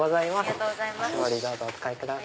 どうぞお使いください。